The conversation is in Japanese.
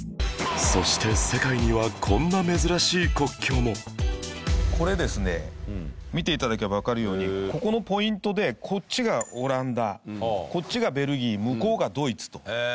そして世界にはこんな珍しい国境もこれですね見ていただけばわかるようにここのポイントでこっちがオランダこっちがベルギー向こうがドイツと。